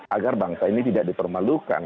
agar bangsa ini tidak dipermalukan